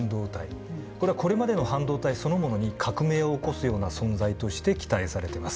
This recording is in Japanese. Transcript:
これはこれまでの半導体そのものに革命を起こすような存在として期待されてます。